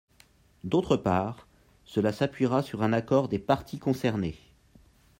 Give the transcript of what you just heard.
D’autre part, cela s’appuiera sur un accord des parties concernées.